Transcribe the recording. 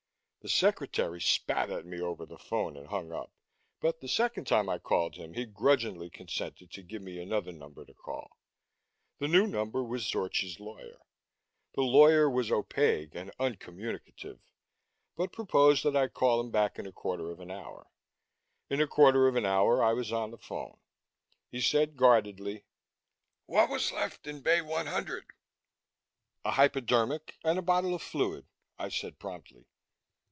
The secretary spat at me over the phone and hung up, but the second time I called him he grudgingly consented to give me another number to call. The new number was Zorchi's lawyer. The lawyer was opaque and uncommunicative, but proposed that I call him back in a quarter of an hour. In a quarter of an hour, I was on the phone. He said guardedly: "What was left in Bay 100?" "A hypodermic and a bottle of fluid," I said promptly.